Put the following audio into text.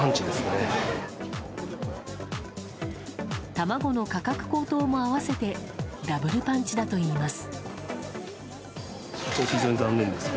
卵の価格高騰も併せてダブルパンチだといいます。